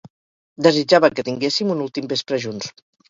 Desitjava que tinguéssim un últim vespre junts.